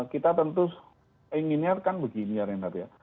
kita tentu inginnya kan begini ya renat ya